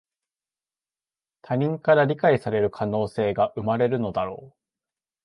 他人から理解される可能性が生まれるのだろう